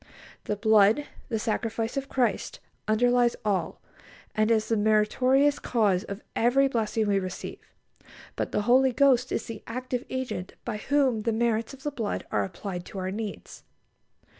The blood, the sacrifice of Christ, underlies all, and is the meritorious cause of every blessing we receive, but the Holy Spirit is the active Agent by whom the merits of the blood are applied to our needs.